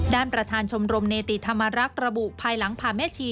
ประธานชมรมเนติธรรมรักษ์ระบุภายหลังผ่าแม่ชี